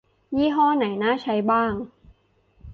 ยี่ห้อไหนน่าใช้บ้าง